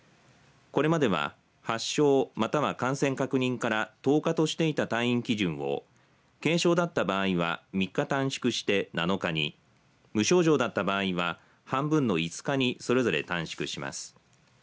これまでは発症または感染確認から１０日としていた退院基準を軽症だった場合は３日短縮して７日に無症状だった場合は半分の５日にそれぞれ短縮します。